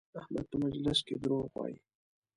احمد په مجلس کې دروغ وایي؛